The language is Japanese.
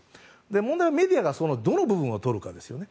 問題はメディアがどの部分をとるかですよね。